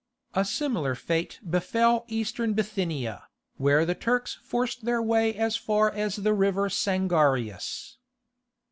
A similar fate befell Eastern Bithynia, where the Turks forced their way as far as the river Sangarius.